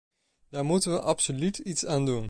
Daar moeten we absoluut iets aan doen.